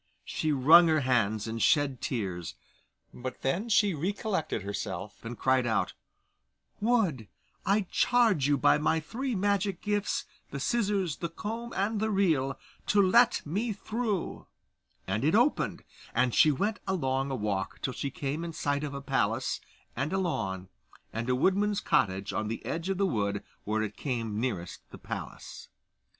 She wrung her hands and shed tears, but then she recollected herself, and cried out, 'Wood, I charge you by my three magic gifts, the scissors, the comb, and the reel to let me through'; and it opened, and she went along a walk till she came in sight of a palace, and a lawn, and a woodman's cottage on the edge of the wood where it came nearest the palace.